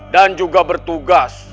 dan juga bertugas